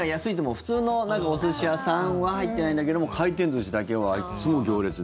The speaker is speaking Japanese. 普通のお寿司屋さんは入ってないんだけども回転寿司だけはいつも行列で。